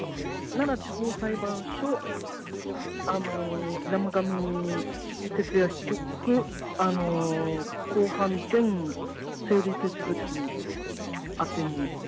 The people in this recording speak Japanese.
奈良地方裁判所、山上徹也被告、公判前整理手続き宛てに。